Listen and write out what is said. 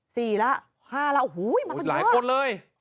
สี่แล้วห้าแล้วโอ้โหมากันหลายคนเลย